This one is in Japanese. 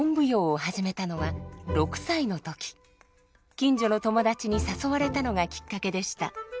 近所の友達に誘われたのがきっかけでした。